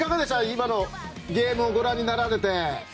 今のゲームをご覧になられて。